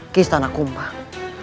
ke istana kumbang